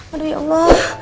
aduh ya allah